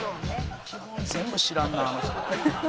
「基本全部知らんなあの人」